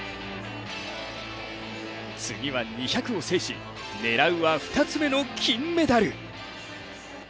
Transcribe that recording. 次は２００を制し狙うは２つ目の金メダル。